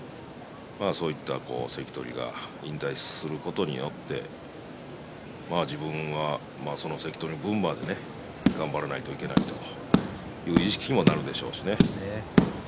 そういう関取が引退することによって自分は、その関取の分まで頑張らないといけないという意識にもなってくるでしょう。